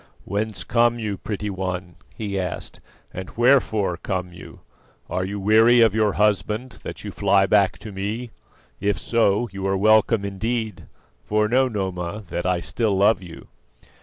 "Whence come you, pretty one?" he asked, "and wherefore come you? Are you weary of your husband, that you fly back to me? If so, you are welcome indeed; for know, Noma, that I still love you."